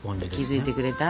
気付いてくれた？